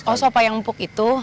oh sopa yang empuk itu